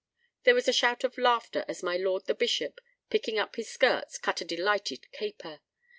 There was a shout of laughter as my lord the bishop, picking up his skirts, cut a delighted caper.